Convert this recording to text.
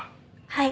はい。